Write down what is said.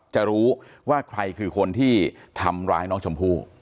จะรู้ว่าใครคือคนที่ทำร้ายน้องชมพู่